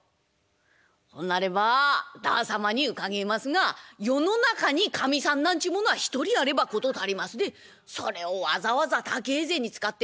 「ほなればあだあ様にうかげえますが世の中にかみさんなんちゅうものは１人あれば事足りますでそれをわざわざ高え銭使って妾囲う。